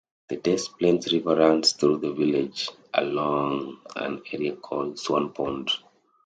The Des Plaines River runs through the village along an area called Swan Pond.